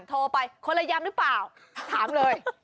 โทรไปคนละยำหรือเปล่าถามเลย